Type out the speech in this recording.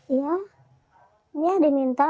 iya dia diminta